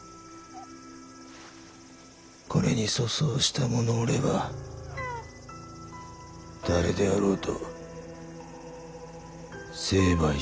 これに粗相した者おれば誰であろうと成敗してよい。